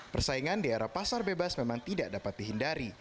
persaingan di era pasar bebas memang tidak dapat dihindari